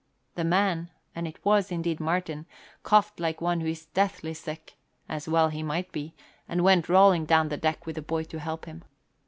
The man and it was indeed Martin coughed like one who is deathly sick, as well he might be, and went rolling down the deck with a boy to help him.